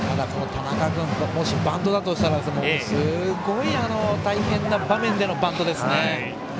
田中君がもしバントだとしたらすごい大変な場面でのバントですね。